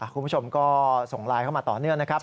คุณผู้ชมก็ส่งไลน์เข้ามาต่อเนื่องนะครับ